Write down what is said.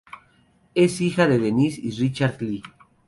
Es hija de Denise y Richard Lee.